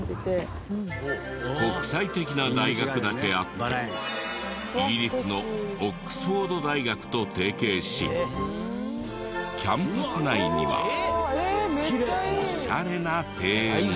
国際的な大学だけあってイギリスのオックスフォード大学と提携しキャンパス内にはオシャレな庭園も。